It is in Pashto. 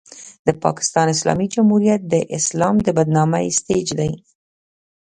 د پاکستان اسلامي جمهوریت د اسلام د بدنامۍ سټېج دی.